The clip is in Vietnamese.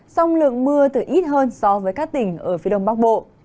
song lượng mưa từ ít hơn so với các tỉnh ở phía đông bắc bộ